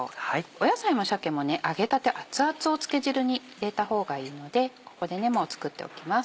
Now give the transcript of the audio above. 野菜も鮭も揚げたて熱々を漬け汁に入れた方がいいのでここでもう作っておきます。